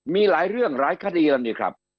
มีหลายเรื่องหลายคดีแล้วนี่ครับ